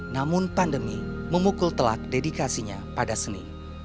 namun pandemi memukul telak dedikasinya pada seni